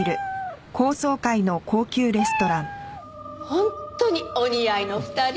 本当にお似合いの２人。